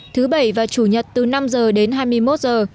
thứ bảy và chủ nhật từ năm giờ đến hai mươi một giờ